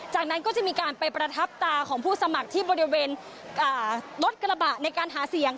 จากนั้นก็จะมีการไปประทับตาของผู้สมัครที่บริเวณรถกระบะในการหาเสียง